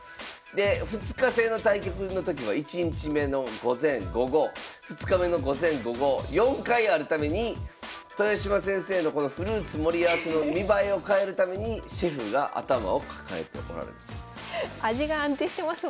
で２日制の対局の時は１日目の午前午後２日目の午前午後４回あるために豊島先生のこのフルーツ盛り合わせの見栄えを変えるためにシェフが頭を抱えておられるそうです。